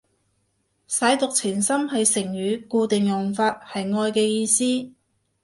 舐犢情深係成語，固定用法，係愛嘅意思